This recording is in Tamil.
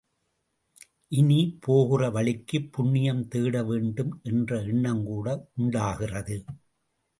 இனி, போகிற வழிக்குப் புண்ணியம் தேடவேண்டும் என்ற எண்ணங்கூட உண்டாகிறது.